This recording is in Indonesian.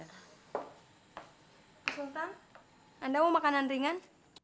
akunta anda mau makanan ringan